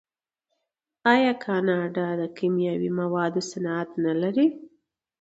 آیا کاناډا د کیمیاوي موادو صنعت نلري؟